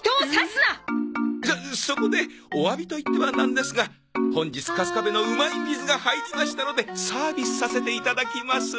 そそこでおわびと言ってはなんですが本日「かすかべのうまい水」が入りましたのでサービスさせていただきます。